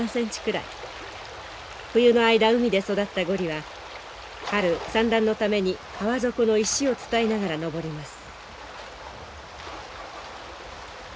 冬の間海で育ったゴリは春産卵のために川底の石を伝いながら上ります。